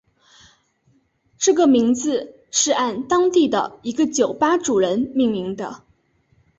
这个名字是按当地的一个酒吧主人命名的。